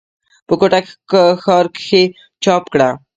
پۀ کوټه ښارکښې چاپ کړه ۔